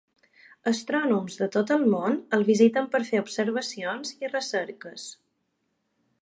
Astrònoms de tot el món el visiten per fer observacions i recerques.